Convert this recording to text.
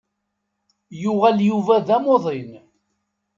Yuɣal Yuba d amuḍin.